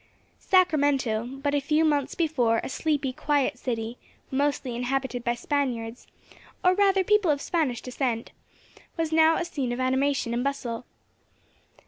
Sacramento, but a few months before a sleepy, quiet city, mostly inhabited by Spaniards, or rather people of Spanish descent, was now a scene of animation and bustle.